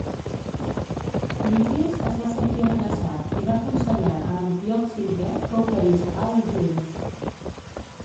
Lísies es va sentir amenaçat i va aconsellar a Antíoc V que oferís pau als jueus.